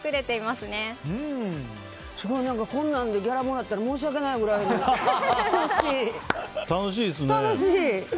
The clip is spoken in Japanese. すごいこんなんでギャラもらったら申し訳ないくらい楽しい。